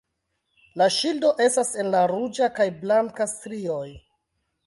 La ŝildo estas en la ruĝa kaj blanka strioj.